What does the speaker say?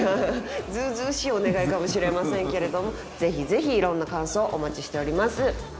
ずうずうしいお願いかもしれませんけれどもぜひぜひいろんな感想お待ちしております。